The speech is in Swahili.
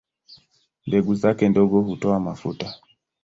Mbegu zake ndogo hutoa mafuta.